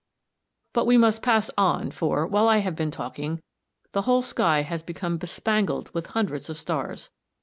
But we must pass on for, while I have been talking, the whole sky has become bespangled with hundreds of stars.